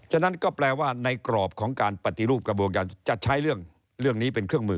ฉะนั้นก็แปลว่าในกรอบของการปฏิรูปกระบวนการจะใช้เรื่องนี้เป็นเครื่องมือ